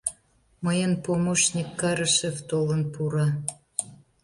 Мыйын помощник Карышев толын пура.